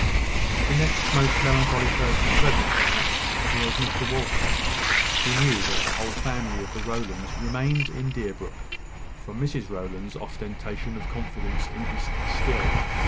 The next most melancholy person present, perhaps, was Mr Walcot. He knew that the whole family of the Rowlands remained in Deerbrook from Mrs Rowland's ostentation of confidence in his skill.